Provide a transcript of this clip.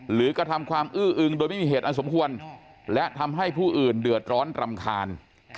กระทำความอื้ออึงโดยไม่มีเหตุอันสมควรและทำให้ผู้อื่นเดือดร้อนรำคาญ